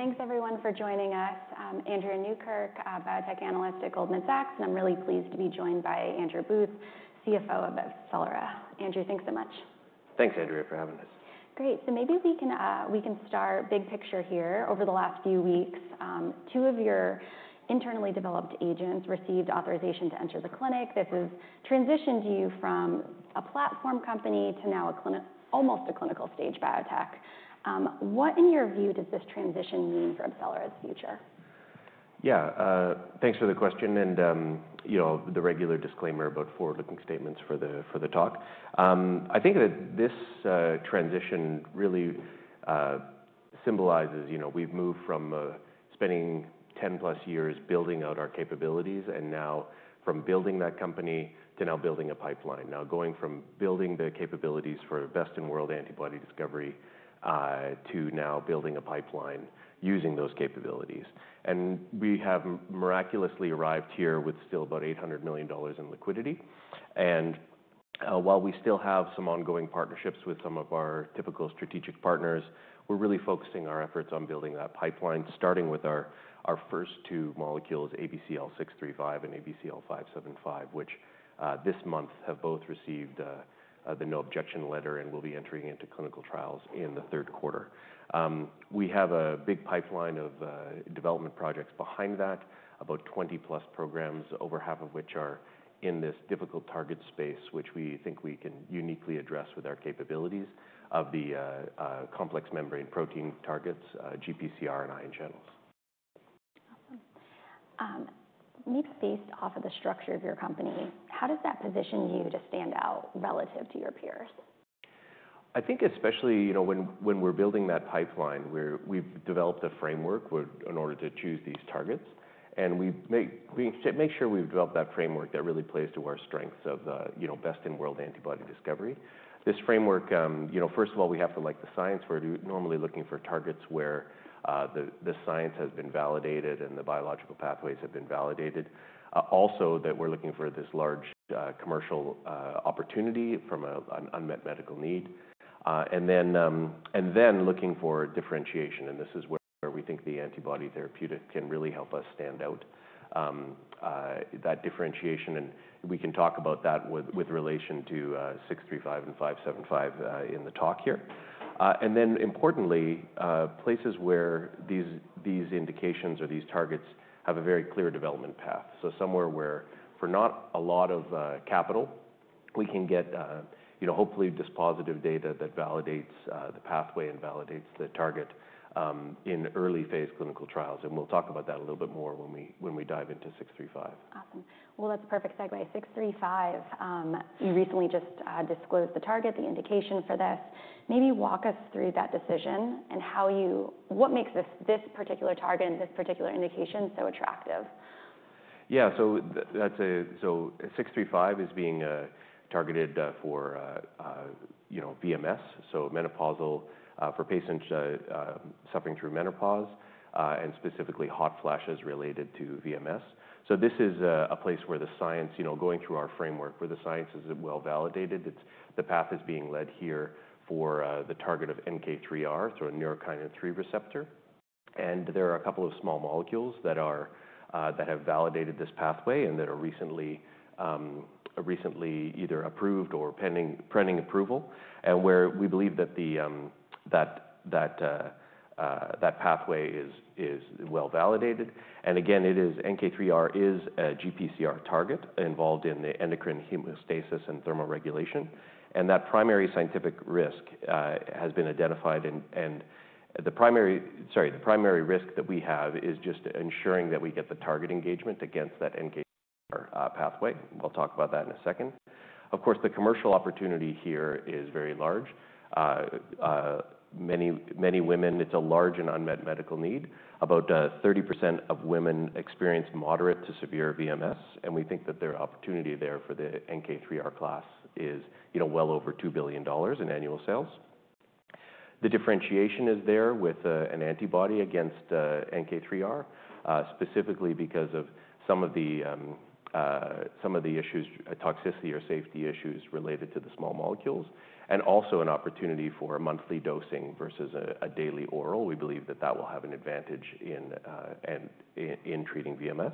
Thanks, everyone, for joining us. I'm Andrea Newkirk, biotech analyst at Goldman Sachs, and I'm really pleased to be joined by Andrew Booth, CFO of AbCellera. Andrew, thanks so much. Thanks, Andrea, for having us. Great. Maybe we can start big picture here. Over the last few weeks, two of your internally developed agents received authorization to enter the clinic. This has transitioned you from a platform company to now almost a clinical-stage biotech. What, in your view, does this transition mean for AbCellera's future? Yeah, thanks for the question and the regular disclaimer about forward-looking statements for the talk. I think that this transition really symbolizes we've moved from spending 10-plus years building out our capabilities and now from building that company to now building a pipeline, now going from building the capabilities for best-in-world antibody discovery to now building a pipeline using those capabilities. We have miraculously arrived here with still about $800 million in liquidity. While we still have some ongoing partnerships with some of our typical strategic partners, we're really focusing our efforts on building that pipeline, starting with our first two molecules, ABCL635 and ABCL575, which this month have both received the no-objection letter and will be entering into clinical trials in the third quarter. We have a big pipeline of development projects behind that, about 20-plus programs, over half of which are in this difficult target space, which we think we can uniquely address with our capabilities of the complex membrane protein targets, GPCR, and ion channels. Awesome. Maybe based off of the structure of your company, how does that position you to stand out relative to your peers? I think especially when we're building that pipeline, we've developed a framework in order to choose these targets. We make sure we've developed that framework that really plays to our strengths of best-in-world antibody discovery. This framework, first of all, we have to like the science. We're normally looking for targets where the science has been validated and the biological pathways have been validated. Also, that we're looking for this large commercial opportunity from an unmet medical need. Then looking for differentiation. This is where we think the antibody therapeutic can really help us stand out, that differentiation. We can talk about that with relation to 635 and 575 in the talk here. Importantly, places where these indications or these targets have a very clear development path. Somewhere where, for not a lot of capital, we can get hopefully dispositive data that validates the pathway and validates the target in early-phase clinical trials. We'll talk about that a little bit more when we dive into 635. Awesome. That's a perfect segue 635, you recently just disclosed the target, the indication for this. Maybe walk us through that decision and what makes this particular target and this particular indication so attractive. Yeah, 635 is being targeted for VMS, so menopausal for patients suffering through menopause and specifically hot flashes related to VMS. This is a place where the science, going through our framework, where the science is well validated, the path is being led here for the target of NK3R, so a neurokinin-3 receptor. There are a couple of small molecules that have validated this pathway and that are recently either approved or pending approval, and where we believe that that pathway is well validated. NK3R is a GPCR target involved in the endocrine homeostasis and thermoregulation. That primary scientific risk has been identified. The primary risk that we have is just ensuring that we get the target engagement against that NK3R pathway. We'll talk about that in a second. Of course, the commercial opportunity here is very large. Many women, it's a large and unmet medical need. About 30% of women experience moderate to severe VMS. We think that the opportunity there for the NK3R class is well over $2 billion in annual sales. The differentiation is there with an antibody against NK3R, specifically because of some of the issues, toxicity or safety issues related to the small molecules, and also an opportunity for monthly dosing versus a daily oral. We believe that that will have an advantage in treating VMS.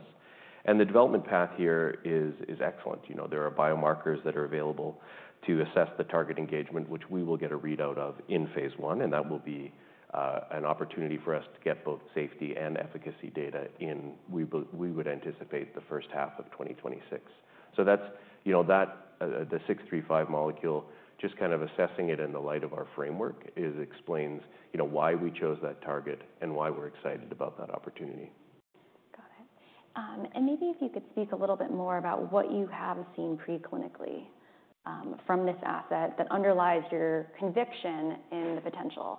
The development path here is excellent. There are biomarkers that are available to assess the target engagement, which we will get a readout of in phase one. That will be an opportunity for us to get both safety and efficacy data in, we would anticipate, the first half of 2026. The 635 molecule, just kind of assessing it in the light of our framework, explains why we chose that target and why we're excited about that opportunity. Got it. Maybe if you could speak a little bit more about what you have seen preclinically from this asset that underlies your conviction in the potential.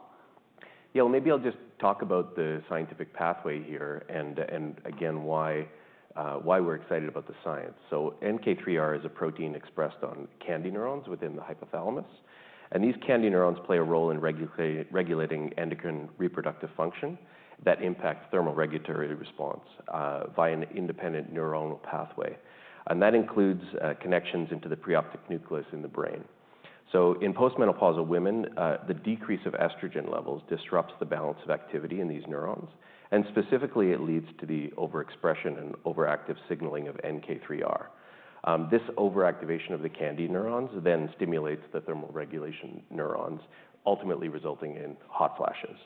Yeah, maybe I'll just talk about the scientific pathway here and, again, why we're excited about the science. NK3R is a protein expressed on KNDy neurons within the hypothalamus. These KNDy neurons play a role in regulating endocrine reproductive function that impacts thermoregulatory response via an independent neuronal pathway. That includes connections into the pre-optic nucleus in the brain. In postmenopausal women, the decrease of estrogen levels disrupts the balance of activity in these neurons. Specifically, it leads to the overexpression and overactive signaling of NK3R. This overactivation of the KNDy neurons then stimulates the thermoregulation neurons, ultimately resulting in hot flashes.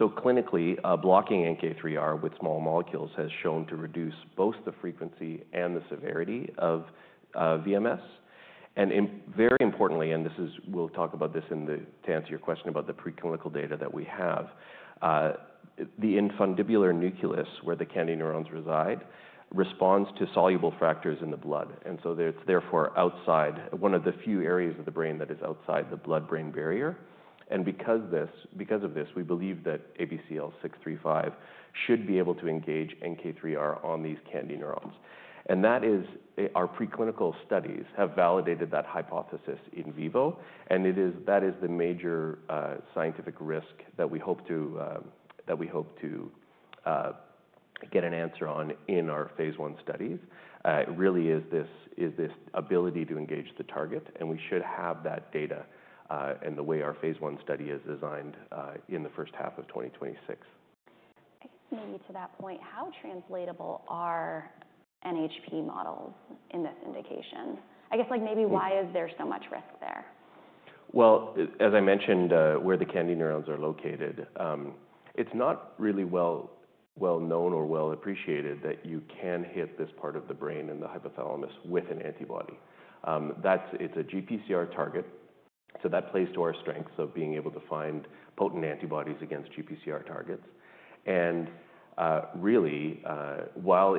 Clinically, blocking NK3R with small molecules has shown to reduce both the frequency and the severity of VMS. Very importantly, and we'll talk about this to answer your question about the preclinical data that we have, the infundibular nucleus, where the KNDy neurons reside, responds to soluble factors in the blood. It is therefore one of the few areas of the brain that is outside the blood-brain barrier. Because of this, we believe that ABCL635 should be able to engage NK3R on these KNDy neurons. Our preclinical studies have validated that hypothesis in vivo. That is the major scientific risk that we hope to get an answer on in our phase one studies. It really is this ability to engage the target. We should have that data, and the way our phase one study is designed, in the first half of 2026. Maybe to that point, how translatable are NHP models in this indication? I guess maybe why is there so much risk there? As I mentioned, where the KNDy neurons are located, it's not really well known or well appreciated that you can hit this part of the brain in the hypothalamus with an antibody. It's a GPCR target. That plays to our strengths of being able to find potent antibodies against GPCR targets. Really, while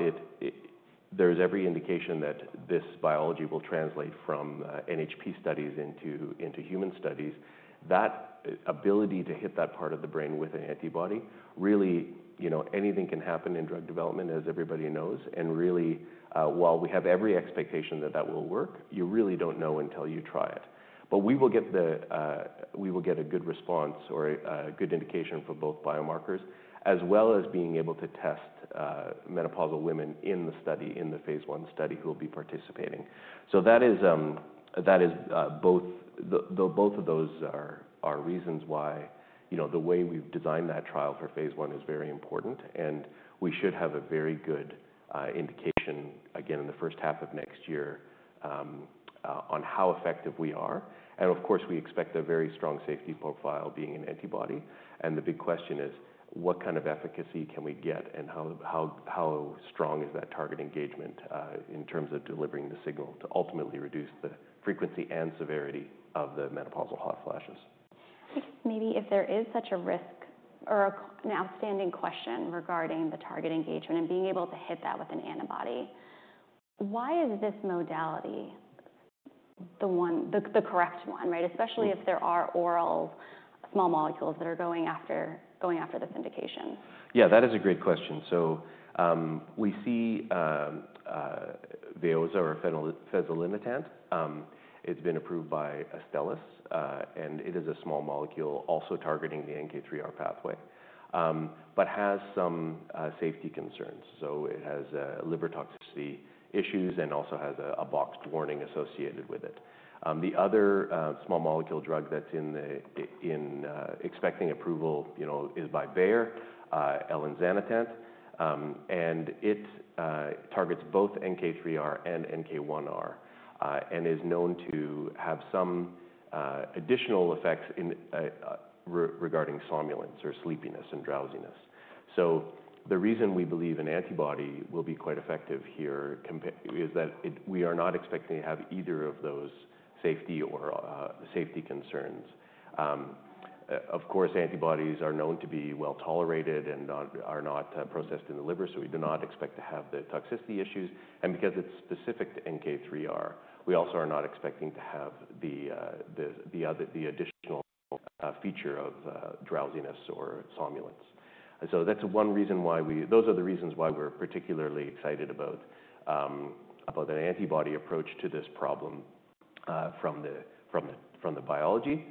there is every indication that this biology will translate from NHP studies into human studies, that ability to hit that part of the brain with an antibody, really, anything can happen in drug development, as everybody knows. Really, while we have every expectation that that will work, you really don't know until you try it. We will get a good response or a good indication for both biomarkers, as well as being able to test menopausal women in the study, in the phase one study who will be participating. That is both of those are reasons why the way we've designed that trial for phase 1 is very important. We should have a very good indication, again, in the first half of next year on how effective we are. Of course, we expect a very strong safety profile being an antibody. The big question is, what kind of efficacy can we get? How strong is that target engagement in terms of delivering the signal to ultimately reduce the frequency and severity of the menopausal hot flashes? Maybe if there is such a risk or an outstanding question regarding the target engagement and being able to hit that with an antibody, why is this modality the correct one, especially if there are oral small molecules that are going after this indication? Yeah, that is a great question. We see Veoza or fezolinetant. It's been approved, and it is a small molecule also targeting the NK3R pathway but has some safety concerns. It has liver toxicity issues and also has a boxed warning associated with it. The other small molecule drug that's expecting approval is by Bayer, elinzanetant. It targets both NK3R and NK1R and is known to have some additional effects regarding somnolence or sleepiness and drowsiness. The reason we believe an antibody will be quite effective here is that we are not expecting to have either of those safety or safety concerns. Of course, antibodies are known to be well tolerated and are not processed in the liver. We do not expect to have the toxicity issues. Because it is specific to NK3R, we also are not expecting to have the additional feature of drowsiness or somnolence. That is one reason why we, those are the reasons why we are particularly excited about an antibody approach to this problem from the biology.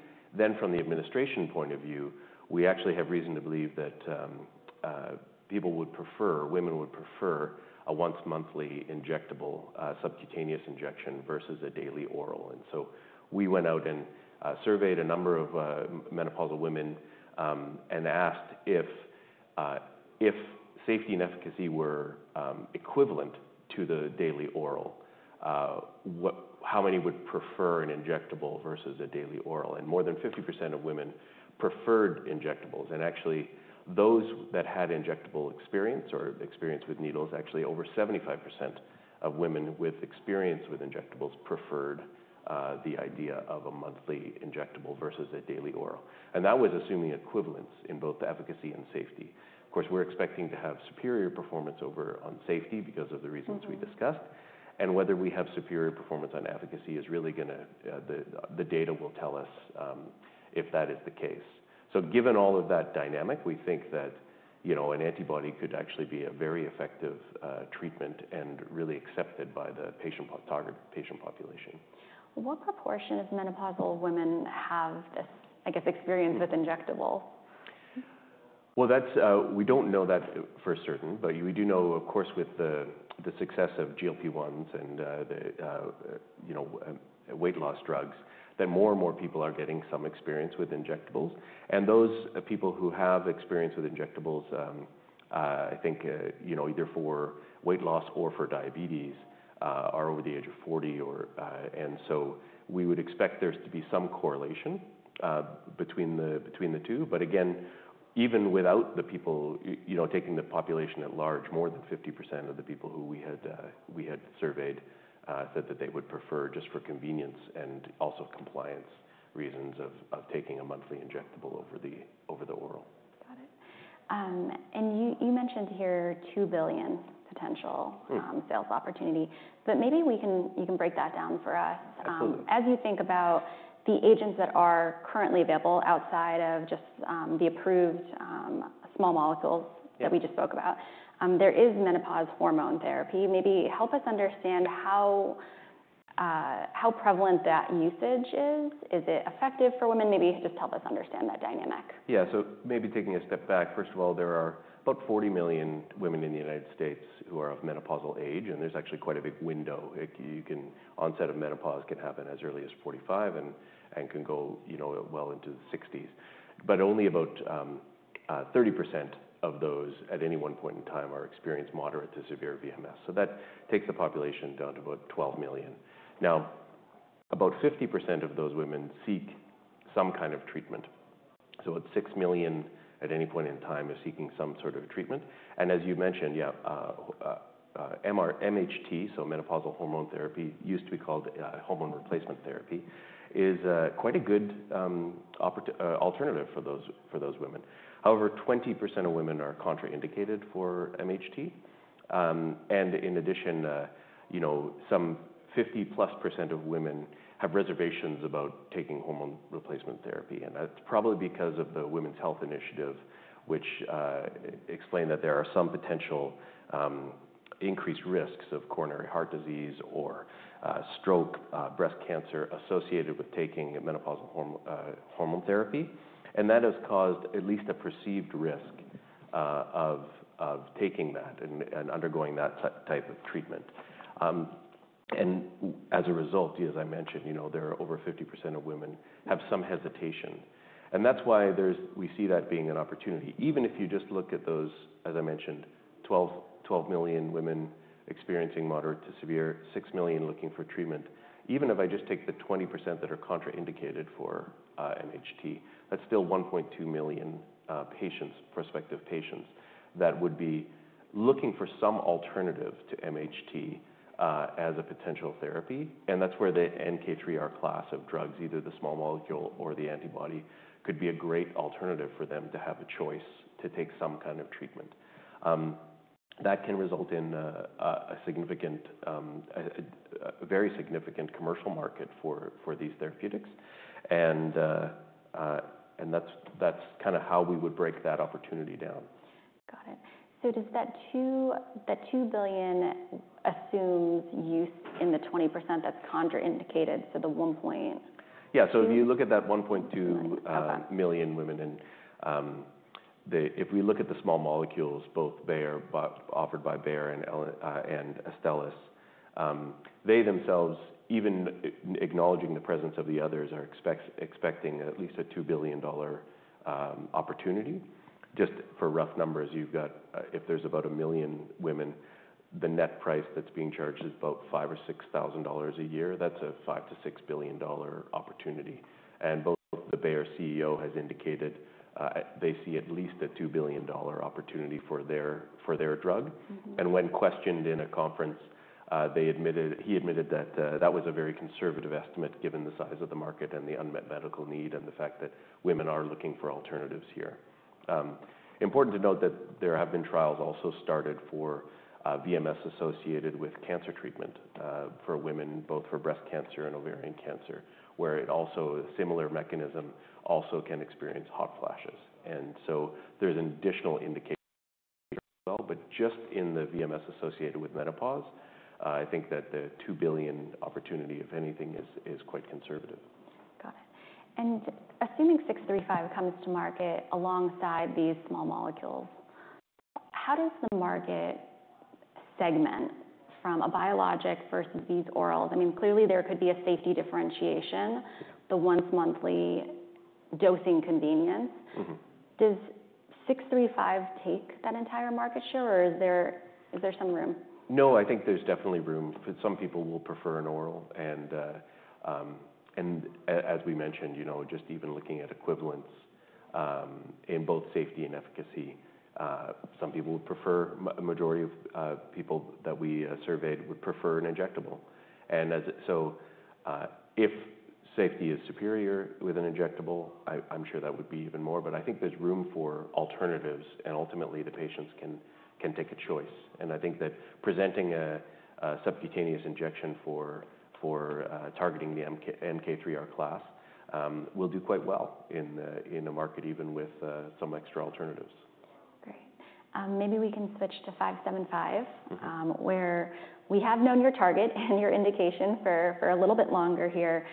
From the administration point of view, we actually have reason to believe that people would prefer, women would prefer a once-monthly injectable subcutaneous injection versus a daily oral. We went out and surveyed a number of menopausal women and asked if safety and efficacy were equivalent to the daily oral, how many would prefer an injectable versus a daily oral. More than 50% of women preferred injectables. Actually, those that had injectable experience or experience with needles, over 75% of women with experience with injectables preferred the idea of a monthly injectable versus a daily oral. That was assuming equivalence in both efficacy and safety. Of course, we're expecting to have superior performance on safety because of the reasons we discussed. Whether we have superior performance on efficacy is really going to the data will tell us if that is the case. Given all of that dynamic, we think that an antibody could actually be a very effective treatment and really accepted by the patient population. What proportion of menopausal women have this, I guess, experience with injectables? We do not know that for certain. Of course, with the success of GLP-1s and weight loss drugs, more and more people are getting some experience with injectables. Those people who have experience with injectables, I think either for weight loss or for diabetes, are over the age of 40. We would expect there to be some correlation between the two. Again, even without the people taking the population at large, more than 50% of the people who we had surveyed said that they would prefer just for convenience and also compliance reasons of taking a monthly injectable over the oral. Got it. You mentioned here $2 billion potential sales opportunity. Maybe you can break that down for us. Absolutely. As you think about the agents that are currently available outside of just the approved small molecules that we just spoke about, there is menopausal hormone therapy. Maybe help us understand how prevalent that usage is. Is it effective for women? Maybe just help us understand that dynamic. Yeah, so maybe taking a step back. First of all, there are about 40 million women in the United States who are of menopausal age. There's actually quite a big window. Onset of menopause can happen as early as 45 and can go well into the 60s. Only about 30% of those at any one point in time are experiencing moderate to severe VMS. That takes the population down to about 12 million. Now, about 50% of those women seek some kind of treatment. About 6 million at any point in time are seeking some sort of treatment. As you mentioned, MHT, so menopausal hormone therapy, used to be called hormone replacement therapy, is quite a good alternative for those women. However, 20% of women are contraindicated for MHT. In addition, some 50% plus of women have reservations about taking hormone replacement therapy. That is probably because of the Women's Health Initiative, which explained that there are some potential increased risks of coronary heart disease or stroke, breast cancer associated with taking menopausal hormone therapy. That has caused at least a perceived risk of taking that and undergoing that type of treatment. As a result, as I mentioned, there are over 50% of women who have some hesitation. That is why we see that being an opportunity. Even if you just look at those, as I mentioned, 12 million women experiencing moderate to severe, 6 million looking for treatment, even if I just take the 20% that are contraindicated for MHT, that is still 1.2 million prospective patients that would be looking for some alternative to MHT as a potential therapy. That's where the NK3R class of drugs, either the small molecule or the antibody, could be a great alternative for them to have a choice to take some kind of treatment. That can result in a very significant commercial market for these therapeutics. That's kind of how we would break that opportunity down. Got it. Does that $2 billion assume use in the 20% that's contraindicated, so the 1.2 million women? Yeah, so if you look at that 1.2 million women, if we look at the small molecules, both offered by Bayer and AbCellera, they themselves, even acknowledging the presence of the others, are expecting at least a $2 billion opportunity. Just for rough numbers, if there's about a million women, the net price that's being charged is about $5,000 or $6,000 a year. That's a $5 billion-$6 billion opportunity. Both the Bayer CEO has indicated they see at least a $2 billion opportunity for their drug. When questioned in a conference, he admitted that that was a very conservative estimate given the size of the market and the unmet medical need and the fact that women are looking for alternatives here. Important to note that there have been trials also started for VMS associated with cancer treatment for women, both for breast cancer and ovarian cancer, where a similar mechanism also can experience hot flashes. There is an additional indication as well. Just in the VMS associated with menopause, I think that the $2 billion opportunity, if anything, is quite conservative. Got it. Assuming 635 comes to market alongside these small molecules, how does the market segment from a biologic versus these orals? I mean, clearly, there could be a safety differentiation, the once-monthly dosing convenience. Does 635 take that entire market share? Is there some room? No, I think there's definitely room. Some people will prefer an oral. As we mentioned, just even looking at equivalence in both safety and efficacy, some people would prefer, a majority of people that we surveyed would prefer, an injectable. If safety is superior with an injectable, I'm sure that would be even more. I think there's room for alternatives. Ultimately, the patients can take a choice. I think that presenting a subcutaneous injection for targeting the NK3R class will do quite well in the market, even with some extra alternatives. Great. Maybe we can switch to 575, where we have known your target and your indication for a little bit longer here.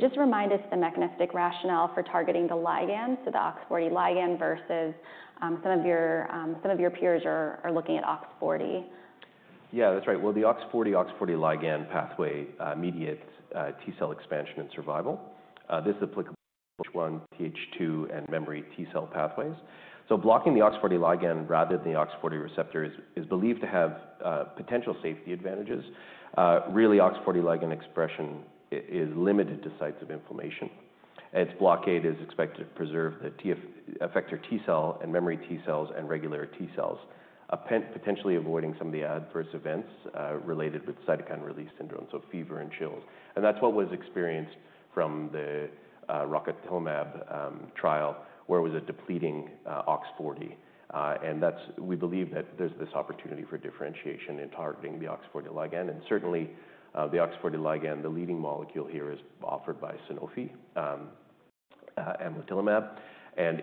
Just remind us the mechanistic rationale for targeting the ligand, so the OX40 ligand versus some of your peers are looking at OX40. Yeah, that's right. The OX40, OX40 ligand pathway mediates T-cell expansion and survival. This is applicable to TH1, TH2, and memory T-cell pathways. Blocking the OX40 ligand rather than the OX40 receptor is believed to have potential safety advantages. Really, OX40 ligand expression is limited to sites of inflammation. Its blockade is expected to preserve the effector T-cell and memory T-cells and regular T-cells, potentially avoiding some of the adverse events related with cytokine release syndrome, so fever and chills. That's what was experienced from the rocatinlimab trial, where it was a depleting OX40. We believe that there's this opportunity for differentiation in targeting the OX40 ligand. Certainly, the OX40 ligand, the leading molecule here, is offered by Sanofi and AbCellera Biologics.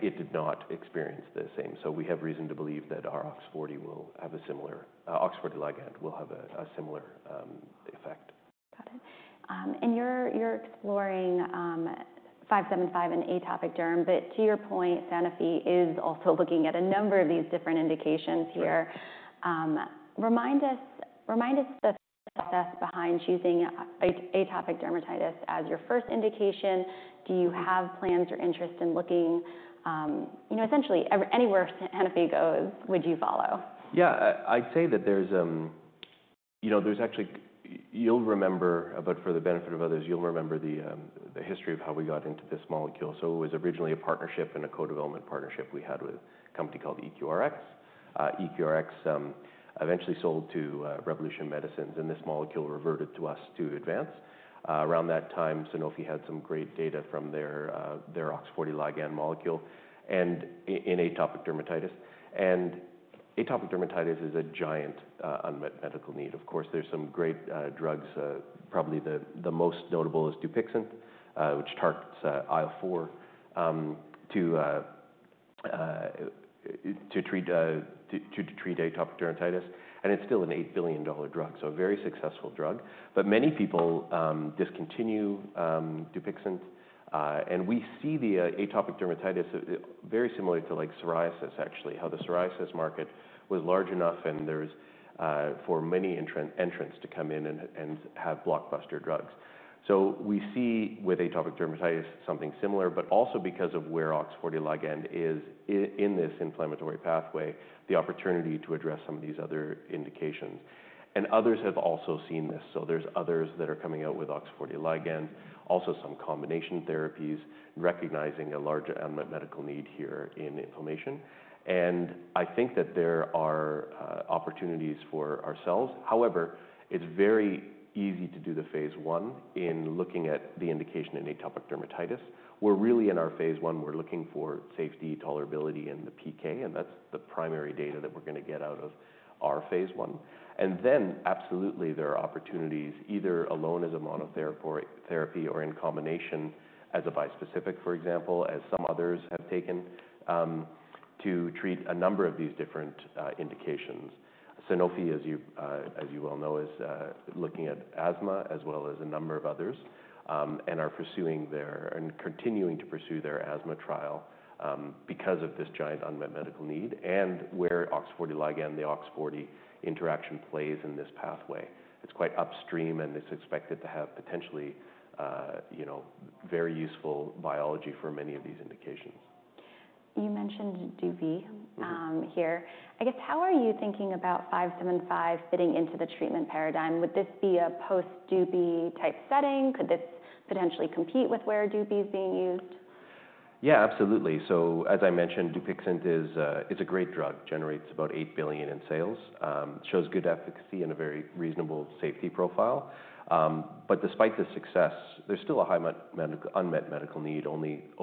It did not experience the same. We have reason to believe that our OX40 ligand will have a similar effect. Got it. You're exploring 575 in atopic derm. To your point, Sanofi is also looking at a number of these different indications here. Remind us the process behind choosing atopic dermatitis as your first indication. Do you have plans or interest in looking? Essentially, anywhere Sanofi goes, would you follow? Yeah, I'd say that there's actually you'll remember, but for the benefit of others, you'll remember the history of how we got into this molecule. It was originally a partnership and a co-development partnership we had with a company called EQRx. EQRx eventually sold to Revolution Medicines. This molecule reverted to us to advance. Around that time, Sanofi had some great data from their OX40 ligand molecule in atopic dermatitis. Atopic dermatitis is a giant unmet medical need. Of course, there's some great drugs. Probably the most notable is Dupixent, which targets IL-4 to treat atopic dermatitis. It's still an $8 billion drug, so a very successful drug. Many people discontinue Dupixent. We see the atopic dermatitis very similar to psoriasis, actually, how the psoriasis market was large enough for many entrants to come in and have blockbuster drugs. We see with atopic dermatitis something similar. Also, because of where OX40 ligand is in this inflammatory pathway, the opportunity to address some of these other indications. Others have also seen this. There are others that are coming out with OX40 ligand, also some combination therapies, recognizing a large unmet medical need here in inflammation. I think that there are opportunities for ourselves. However, it's very easy to do the phase I in looking at the indication in atopic dermatitis. We're really in our phase I. We're looking for safety, tolerability, and the PK. That's the primary data that we're going to get out of our phase I. Absolutely, there are opportunities either alone as a monotherapy or in combination as a bispecific, for example, as some others have taken, to treat a number of these different indications. Sanofi, as you well know, is looking at asthma as well as a number of others and are pursuing their and continuing to pursue their asthma trial because of this giant unmet medical need and where OX40 ligand, the OX40 interaction plays in this pathway. It's quite upstream. And it's expected to have potentially very useful biology for many of these indications. You mentioned Dupi here. I guess, how are you thinking about 575 fitting into the treatment paradigm? Would this be a post-Dupi type setting? Could this potentially compete with where Dupi is being used? Yeah, absolutely. As I mentioned, Dupixent is a great drug. It generates about $8 billion in sales. It shows good efficacy and a very reasonable safety profile. Despite the success, there's still a high unmet medical need. Only a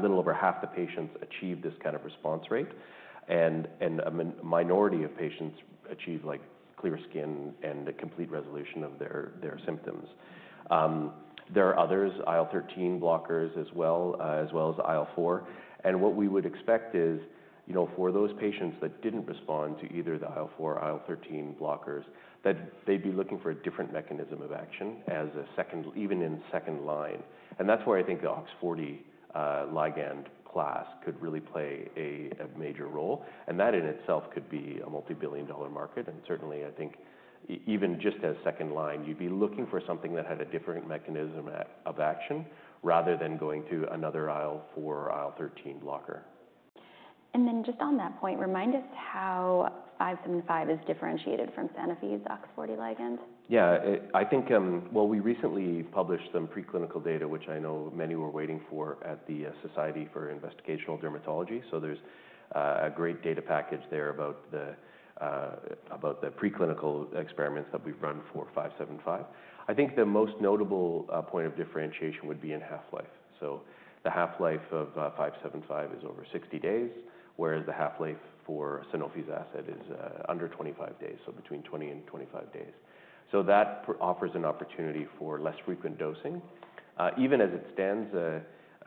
little over half the patients achieve this kind of response rate. A minority of patients achieve clear skin and a complete resolution of their symptoms. There are others, IL-13 blockers as well, as well as IL-4. What we would expect is for those patients that didn't respond to either the IL-4 or IL-13 blockers, that they'd be looking for a different mechanism of action even in second line. That's where I think the OX40 ligand class could really play a major role. That in itself could be a multi-billion dollar market. Certainly, I think even just as second line, you'd be looking for something that had a different mechanism of action rather than going to another IL-4 or IL-13 blocker. Just on that point, remind us how 575 is differentiated from Sanofi's OX40 ligand. Yeah, I think, we recently published some preclinical data, which I know many were waiting for at the Society for Investigational Dermatology. There is a great data package there about the preclinical experiments that we've run for 575. I think the most notable point of differentiation would be in half-life. The half-life of 575 is over 60 days, whereas the half-life for Sanofi's asset is under 25 days, so between 20-25 days. That offers an opportunity for less frequent dosing. Even as it stands,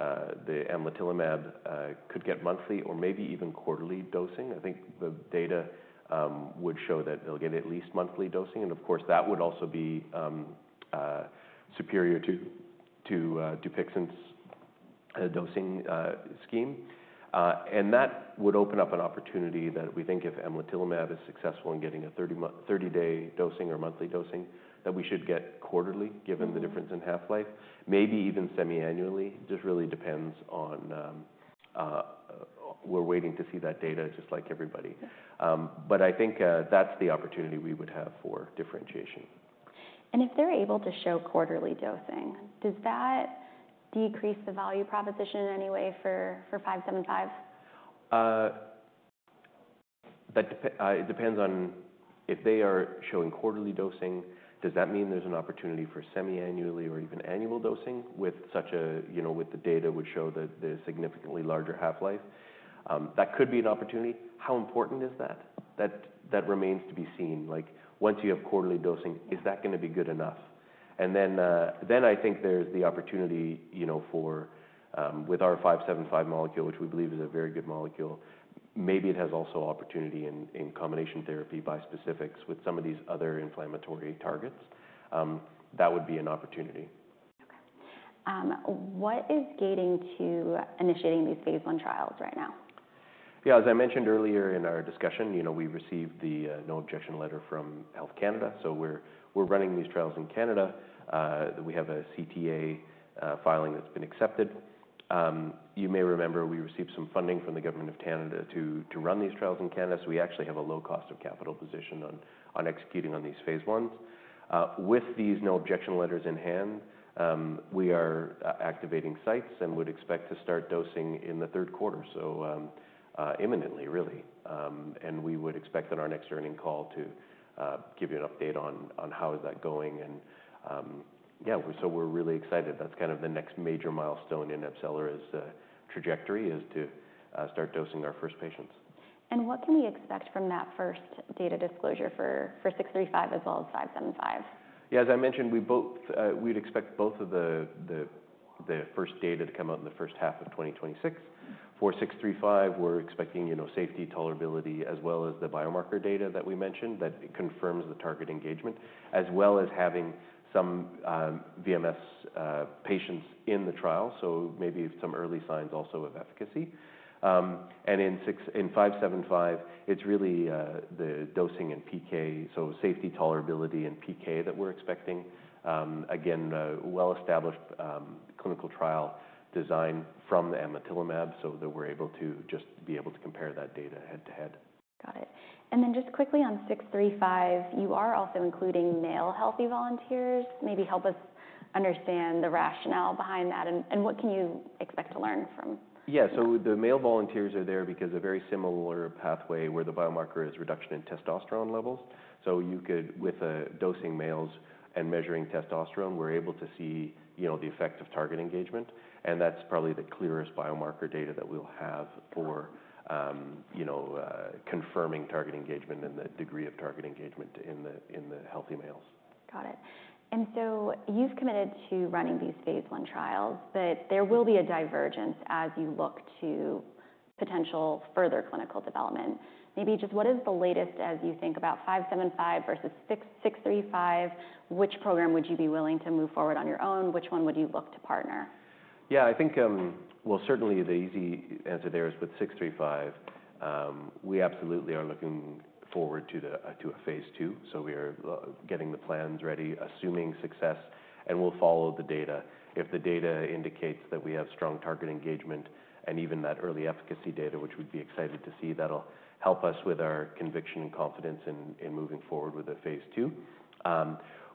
AbCellera Biologics could get monthly or maybe even quarterly dosing. I think the data would show that they'll get at least monthly dosing. Of course, that would also be superior to Dupixent's dosing scheme. That would open up an opportunity that we think if AbCellera Biologics is successful in getting a 30-day dosing or monthly dosing, that we should get quarterly, given the difference in half-life, maybe even semi-annually. It just really depends on we're waiting to see that data just like everybody. I think that's the opportunity we would have for differentiation. If they're able to show quarterly dosing, does that decrease the value proposition in any way for 575? It depends on if they are showing quarterly dosing. Does that mean there's an opportunity for semi-annual or even annual dosing if the data would show that there's a significantly larger half-life? That could be an opportunity. How important is that? That remains to be seen. Once you have quarterly dosing, is that going to be good enough? I think there's the opportunity with our 575 molecule, which we believe is a very good molecule. Maybe it has also opportunity in combination therapy bispecifics with some of these other inflammatory targets. That would be an opportunity. What is gating to initiating these phase I trials right now? Yeah, as I mentioned earlier in our discussion, we received the no objection letter from Health Canada. We are running these trials in Canada. We have a CTA filing that's been accepted. You may remember we received some funding from the government of Canada to run these trials in Canada. We actually have a low cost of capital position on executing on these phase ones. With these no objection letters in hand, we are activating sites and would expect to start dosing in the third quarter, so imminently, really. We would expect on our next earnings call to give you an update on how is that going. Yeah, we are really excited. That is kind of the next major milestone in AbCellera's trajectory, to start dosing our first patients. What can we expect from that first data disclosure for 635 as well as 575? Yeah, as I mentioned, we'd expect both of the first data to come out in the first half of 2026. For 635, we're expecting safety, tolerability, as well as the biomarker data that we mentioned that confirms the target engagement, as well as having some VMS patients in the trial. Maybe some early signs also of efficacy. In 575, it's really the dosing and PK, so safety, tolerability, and PK that we're expecting. Again, well-established clinical trial design from AbCellera Biologics, so that we're able to just be able to compare that data head to head. Got it. And then just quickly on 635, you are also including male healthy volunteers. Maybe help us understand the rationale behind that. What can you expect to learn from? Yeah, the male volunteers are there because a very similar pathway where the biomarker is reduction in testosterone levels. With dosing males and measuring testosterone, we're able to see the effect of target engagement. That's probably the clearest biomarker data that we'll have for confirming target engagement and the degree of target engagement in the healthy males. Got it. You have committed to running these phase I trials. There will be a divergence as you look to potential further clinical development. Maybe just what is the latest as you think about 575 versus 635? Which program would you be willing to move forward on your own? Which one would you look to partner? Yeah, I think, certainly the easy answer there is with 635, we absolutely are looking forward to a phase two. We are getting the plans ready, assuming success. We'll follow the data. If the data indicates that we have strong target engagement and even that early efficacy data, which we'd be excited to see, that'll help us with our conviction and confidence in moving forward with a phase two.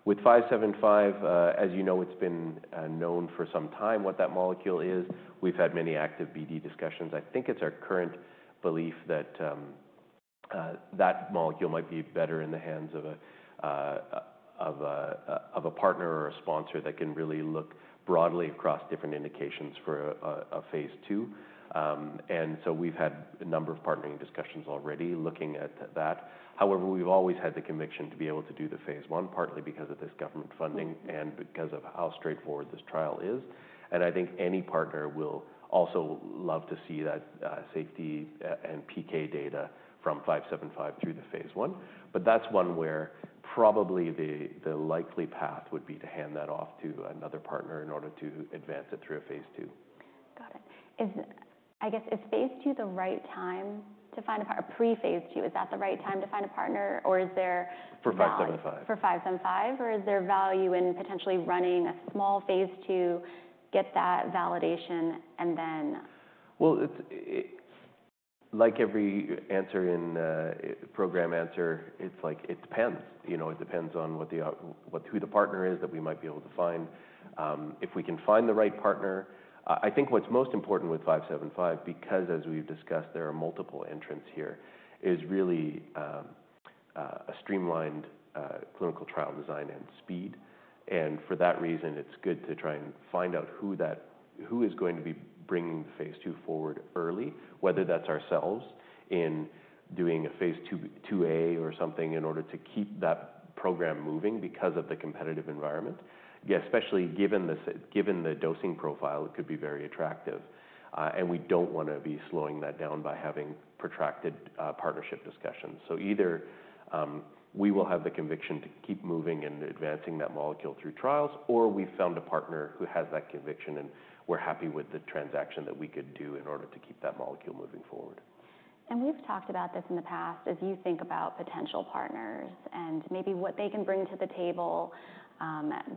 With 575, as you know, it's been known for some time what that molecule is. We've had many active BD discussions. I think it's our current belief that that molecule might be better in the hands of a partner or a sponsor that can really look broadly across different indications for a phase two. We've had a number of partnering discussions already looking at that. However, we've always had the conviction to be able to do the phase one, partly because of this government funding and because of how straightforward this trial is. I think any partner will also love to see that safety and PK data from 575 through the phase one. That's one where probably the likely path would be to hand that off to another partner in order to advance it through a phase two. Got it. I guess, is phase two the right time to find a pre-phase two? Is that the right time to find a partner? Or is there? For 575. For 575? Or is there value in potentially running a small phase two, get that validation, and then. Like every program answer, it depends. It depends on who the partner is that we might be able to find. If we can find the right partner, I think what's most important with 575, because as we've discussed, there are multiple entrants here, is really a streamlined clinical trial design and speed. For that reason, it's good to try and find out who is going to be bringing the phase two forward early, whether that's ourselves in doing a phase 2A or something in order to keep that program moving because of the competitive environment. Yeah, especially given the dosing profile, it could be very attractive. We don't want to be slowing that down by having protracted partnership discussions. Either we will have the conviction to keep moving and advancing that molecule through trials, or we've found a partner who has that conviction and we're happy with the transaction that we could do in order to keep that molecule moving forward. We have talked about this in the past as you think about potential partners and maybe what they can bring to the table,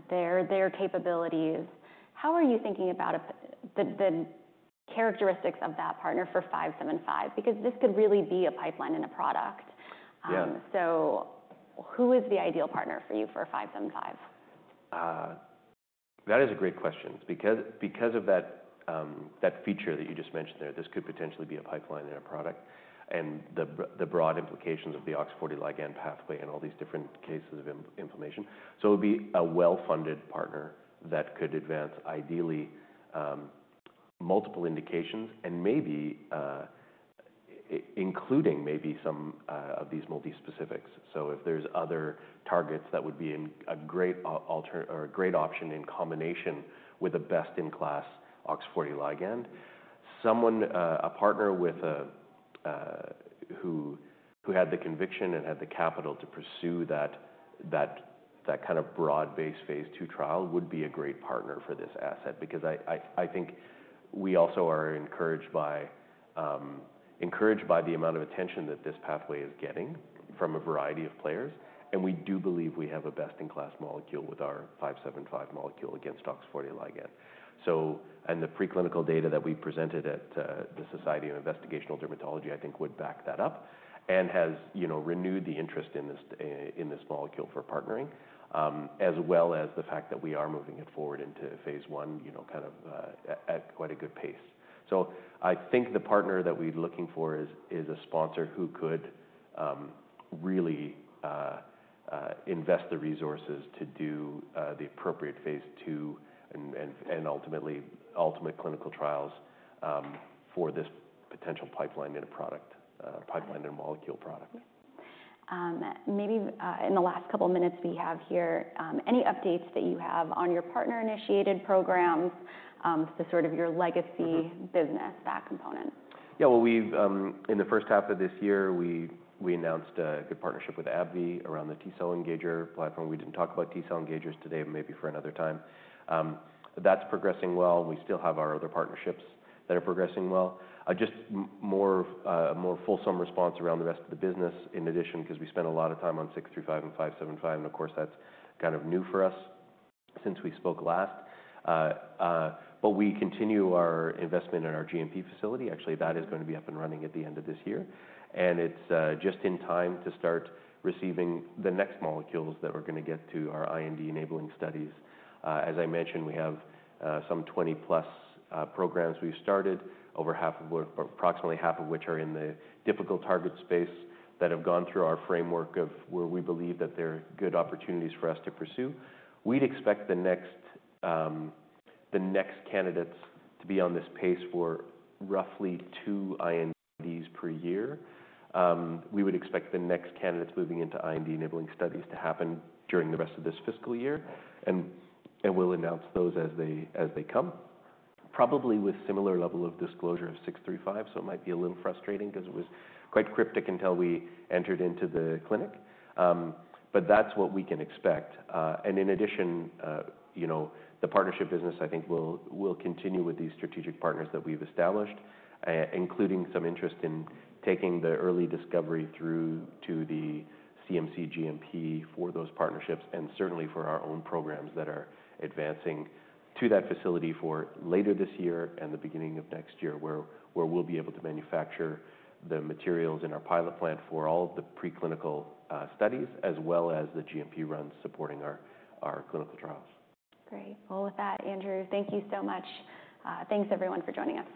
their capabilities. How are you thinking about the characteristics of that partner for 575? Because this could really be a pipeline and a product. Who is the ideal partner for you for 575? That is a great question. Because of that feature that you just mentioned there, this could potentially be a pipeline and a product and the broad implications of the OX40 ligand pathway and all these different cases of inflammation. It would be a well-funded partner that could advance ideally multiple indications and maybe including maybe some of these multispecifics. If there's other targets that would be a great option in combination with a best-in-class OX40 ligand, a partner who had the conviction and had the capital to pursue that kind of broad-based phase two trial would be a great partner for this asset. I think we also are encouraged by the amount of attention that this pathway is getting from a variety of players. We do believe we have a best-in-class molecule with our 575 molecule against OX40 ligand. The preclinical data that we presented at the Society of Investigational Dermatology, I think, would back that up and has renewed the interest in this molecule for partnering, as well as the fact that we are moving it forward into phase one kind of at quite a good pace. I think the partner that we're looking for is a sponsor who could really invest the resources to do the appropriate phase two and ultimately ultimate clinical trials for this potential pipeline and molecule product. Maybe in the last couple of minutes we have here, any updates that you have on your partner-initiated programs, the sort of your legacy business, that component? Yeah, in the first half of this year, we announced a good partnership with AbbVie around the T-cell engager platform. We did not talk about T-cell engagers today, maybe for another time. That is progressing well. We still have our other partnerships that are progressing well. Just more fulsome response around the rest of the business in addition, because we spent a lot of time on 635 and 575. Of course, that is kind of new for us since we spoke last. We continue our investment in our GMP facility. Actually, that is going to be up and running at the end of this year. It is just in time to start receiving the next molecules that we are going to get to our IND enabling studies. As I mentioned, we have some 20-plus programs we've started, approximately half of which are in the difficult target space that have gone through our framework of where we believe that there are good opportunities for us to pursue. We'd expect the next candidates to be on this pace for roughly two INDs per year. We would expect the next candidates moving into IND enabling studies to happen during the rest of this fiscal year. We'll announce those as they come, probably with similar level of disclosure of 635. It might be a little frustrating because it was quite cryptic until we entered into the clinic. That is what we can expect. In addition, the partnership business, I think, will continue with these strategic partners that we've established, including some interest in taking the early discovery through to the CMC GMP for those partnerships and certainly for our own programs that are advancing to that facility for later this year and the beginning of next year, where we'll be able to manufacture the materials in our pilot plant for all of the preclinical studies, as well as the GMP runs supporting our clinical trials. Great. With that, Andrew, thank you so much. Thanks, everyone, for joining us.